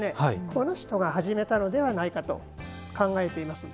この人が始めたのではないかと考えています。